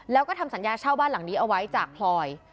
แล้วก็ทำสัญญาเช่าบ้านหลังนี้เอาไว้จากพลอย